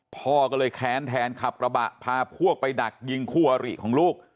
พ่อก็เลยแค้นแทนขับกระบะพาพวกไปดักยิงคู่อริของลูก